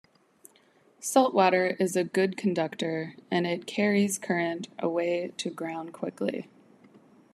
Salt water is a good conductor and it carries current away to ground quickly.